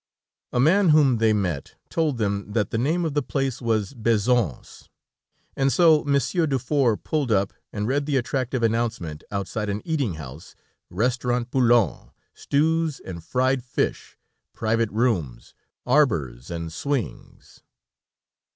A man whom they met, told them that the name of the place was Bézons, and so Monsieur Dufour pulled up, and read the attractive announcement outside an eating house: _Restaurant Poulin, stews and fried fish, private rooms, arbors and swings.